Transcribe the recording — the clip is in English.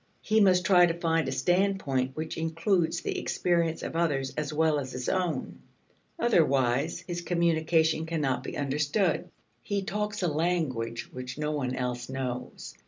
He must try to find a standpoint which includes the experience of others as well as his own. Otherwise his communication cannot be understood. He talks a language which no one else knows.